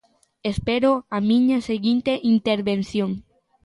Espero á miña seguinte intervención.